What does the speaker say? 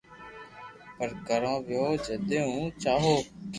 پر ڪرو ويو جدي ھون چاھو